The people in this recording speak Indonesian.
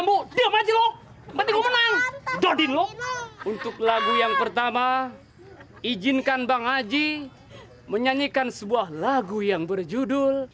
untuk lagu yang pertama izinkan bang haji menyanyikan sebuah lagu yang berjudul